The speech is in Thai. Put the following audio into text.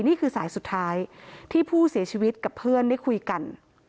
นี่คือสายสุดท้ายที่ผู้เสียชีวิตกับเพื่อนได้คุยกัน